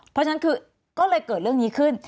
เพราะฉะนั้นคือก็เลยเกิดเรื่องนี้ขึ้น